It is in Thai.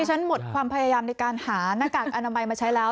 ฉันหมดความพยายามในการหาหน้ากากอนามัยมาใช้แล้ว